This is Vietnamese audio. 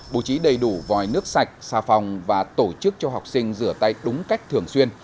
bố trí đầy đủ vòi nước sạch xa phòng và tổ chức cho học sinh rửa tay đúng cách thường xuyên